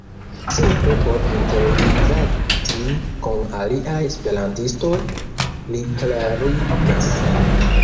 Simple por interrilati kun aliaj esperantistoj, li klarigas.